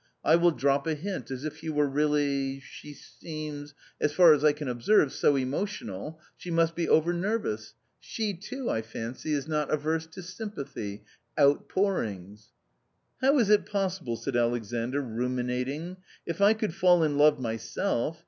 I will drop a hint as if you were really .... she seems — as far as I can observe — so emotional — she must be over nervous; she too, I fancy, is not averse to sympathy — outpourings." " How is it possible ?" said Alexandr, ruminating. " If I could fall in love myself.